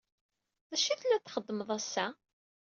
D acu i telliḍ txeddmeḍ ass-a?